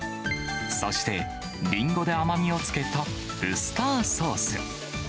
そして、りんごで甘みをつけたウスターソース。